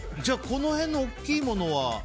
この辺の大きいものは。